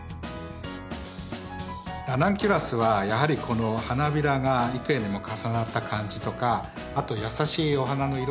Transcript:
ラナンキュラスはやはりこの花びらが幾重にも重なった感じとかあとやさしいお花の色ですね